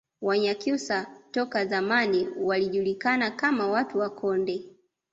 Wanyakyusa toka zamani walijulikana kama watu wa Konde